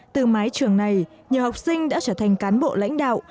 từ mái trường này nhiều học sinh đã trở thành cán bộ lãnh đạo